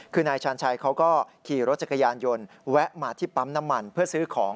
คือนายชาญชัยเขาก็ขี่รถจักรยานยนต์แวะมาที่ปั๊มน้ำมันเพื่อซื้อของ